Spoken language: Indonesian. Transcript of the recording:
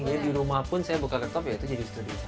jadi di rumah pun saya buka laptop ya itu jadi studio saya